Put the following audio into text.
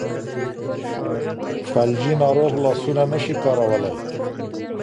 فلجي ناروغ لاسونه نشي کارولی.